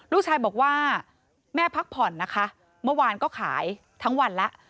ลูกชายบอกว่าแม่พักผ่อนนะคะเมื่อวานก็ขายทั้งวันแล้ว